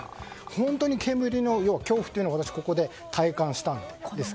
本当に煙の恐怖を私はここで体感したんです。